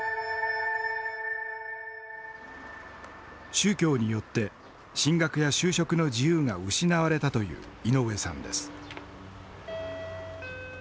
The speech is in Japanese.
宗教によって進学や就職の自由が失われたという井上さんです。